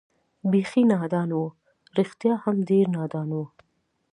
بېخي نادان و، رښتیا هم ډېر نادان و.